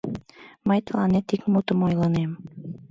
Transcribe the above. Мый тыланет ик мутым ойлынем...